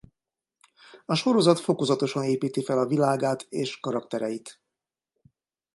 A sorozat fokozatosan építi fel a világát és karaktereit.